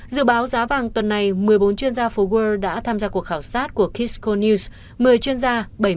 dự báo giá vàng tuần này một mươi bốn chuyên gia fogor đã tham gia cuộc khảo sát của kisco news một mươi chuyên gia bảy mươi hai